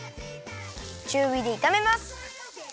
ちゅうびでいためます。